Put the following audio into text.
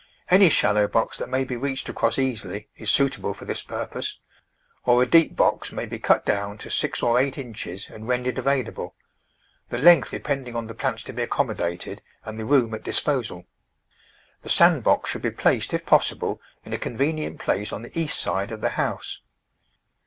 Any shallow box that may be reached across easily is suitable for this purpose; or a deep box may be cut down to six or eight inches and rendered available, the length depending on the plants to be accommo Digitized by Google Four] %ty gtoUlTMbOjT 39 dated and the room at disposal. The sand box should be placed, if possible, in a convenient place on the east side of the house.